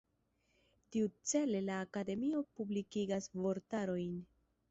Tiucele la Akademio publikigas vortarojn.